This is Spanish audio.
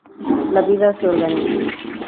La vida se organiza.